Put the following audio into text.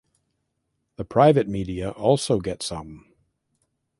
The private media also get some.